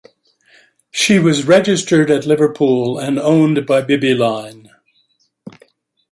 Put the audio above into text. She was registered at Liverpool and owned by Bibby Line.